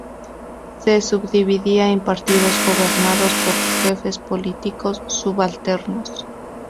Se subdividía en partidos, gobernados por Jefes Políticos Subalternos.